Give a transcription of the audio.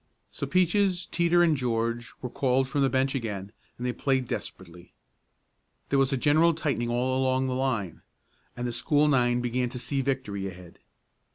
So Peaches, Teeter and George were called from the bench again, and they played desperately. There was a general tightening all along the line, and the school nine began to see victory ahead.